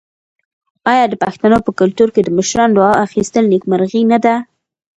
آیا د پښتنو په کلتور کې د مشرانو دعا اخیستل نیکمرغي نه ده؟